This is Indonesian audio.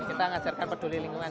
kita mengajarkan peduli lingkungan